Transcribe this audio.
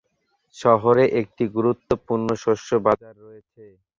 শহরে একটি গুরুত্বপূর্ণ শস্য বাজার রয়েছে।